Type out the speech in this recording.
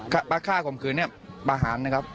คราคบคืนประหารนะครับ